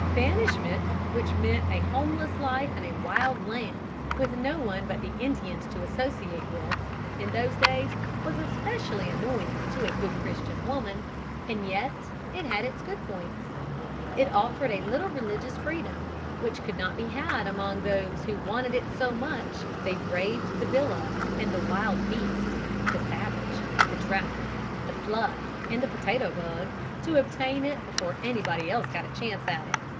Banishment, which meant a homeless life in a wild land, with no one but the Indians to associate with, in those days, was especially annoying to a good Christian woman, and yet it had its good points. It offered a little religious freedom, which could not be had among those who wanted it so much that they braved the billow and the wild beast, the savage, the drouth, the flood, and the potato bug, to obtain it before anybody else got a chance at it.